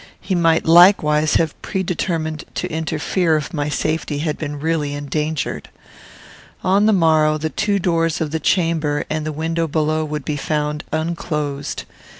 He might likewise have predetermined to interfere if my safety had been really endangered. On the morrow the two doors of the chamber and the window below would be found unclosed.